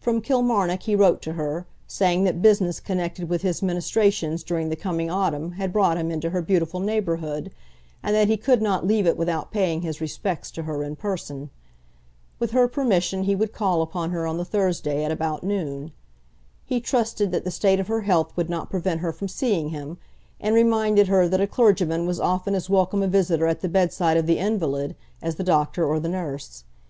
From Kilmarnock he wrote to her, saying that business connected with his ministrations during the coming autumn had brought him into her beautiful neighbourhood, and that he could not leave it without paying his respects to her in person. With her permission he would call upon her on the Thursday at about noon. He trusted that the state of her health would not prevent her from seeing him, and reminded her that a clergyman was often as welcome a visitor at the bedside of the invalid, as the doctor or the nurse.